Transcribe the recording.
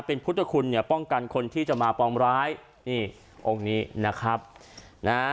เป็นพุทธคุณเนี่ยป้องกันคนที่จะมาปองร้ายนี่องค์นี้นะครับนะฮะ